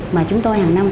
mà chúng tôi hàng năm